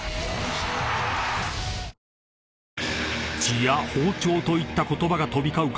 ［血や包丁といった言葉が飛び交う